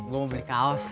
gua mau beli kaos